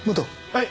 はい！